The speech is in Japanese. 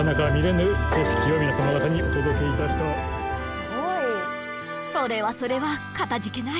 すごい。それはそれはかたじけない。